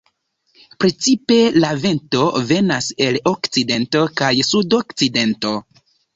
Precipe la vento venas el okcidento kaj sudokcidento.